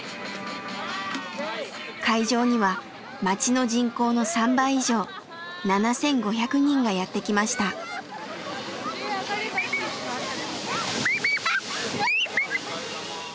会場には町の人口の３倍以上７，５００人がやって来ました。と思って来ました。